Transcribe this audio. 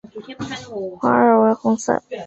花萼为红色。